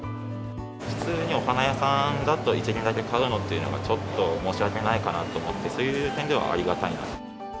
普通にお花屋さんだと１輪だけ買うのっていうのが、ちょっと申し訳ないかなと思って、そういう点ではありがたいなと。